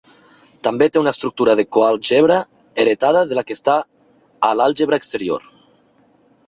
També té una estructura de coàlgebra heretada de la que està a l'àlgebra exterior.